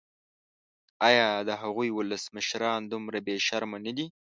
ایا د هغوی ولسمشران دومره بې شرمه نه دي.